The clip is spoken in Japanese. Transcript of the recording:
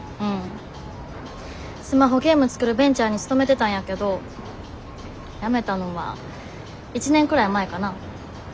スマホゲーム作るベンチャーに勤めてたんやけど辞めたのは１年くらい前かな。